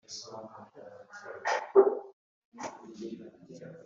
koperative isosiyete ikigo cyose gifite